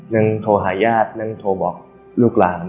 ยังโทรหาญาติยังโทรบอกลูกหลาน